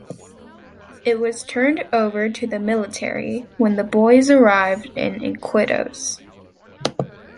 It was turned over to the military when the boys arrived in Iquitos.